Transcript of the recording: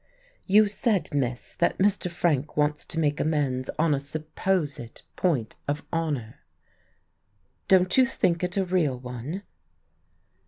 "You said, miss, that Mr. Frank wants to make amends on a 'supposed' point of honour. Don't you think it a real one?"